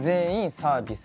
サービス。